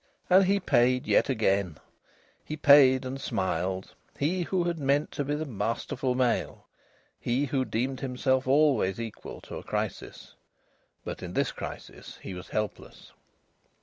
And he paid yet again. He paid and smiled, he who had meant to be the masterful male, he who deemed himself always equal to a crisis. But in this crisis he was helpless.